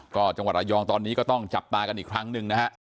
ก็จังหวัดระยองตอนนี้ก็ต้องจับตากันอีกครั้งหนึ่งนะฮะ